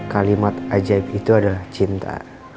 kalimat ajaib itu adalah cinta